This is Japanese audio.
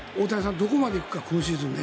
どこまでいくか、今シーズンね。